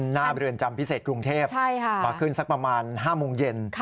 หน้าเรือนจำพิเศษกรุงเทพมาขึ้นสักประมาณ๕โมงเย็น